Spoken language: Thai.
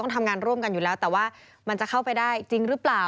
ทำงานร่วมกันอยู่แล้วแต่ว่ามันจะเข้าไปได้จริงหรือเปล่า